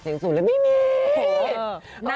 ก็รอติดตามกันนะครับ